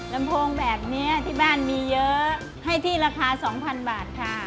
ลำโพงแบบนี้ที่บ้านมีเยอะให้ที่ราคา๒๐๐๐บาทค่ะ